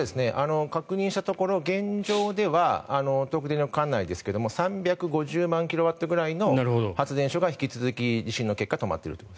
確認したところ現状では東京電力管内ですが３５０万キロワットぐらいの発電所が引き続き地震の結果、止まっていると。